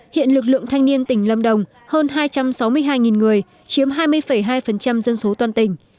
hiện lực lượng thanh niên tỉnh lâm đồng hơn hai trăm sáu mươi hai người chiếm hai mươi hai dân số toàn tỉnh